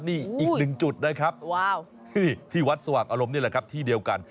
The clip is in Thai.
นี่อีกหนึ่งจุดนะครับที่วัดสว่างอารมณ์นี่แหละครับที่เดียวกัน